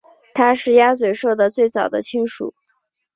它是鸭嘴兽的最早的亲属。